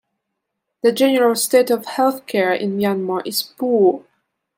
The general state of health care in Myanmar is poor.